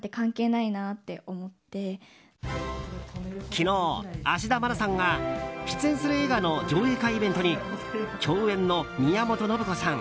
昨日、芦田愛菜さんが出演する映画の上映会イベントに共演の宮本信子さん